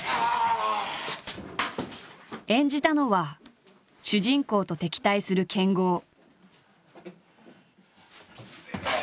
演じたのは主人公と敵対する剣豪。